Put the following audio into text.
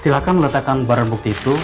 silahkan meletakkan barang bukti itu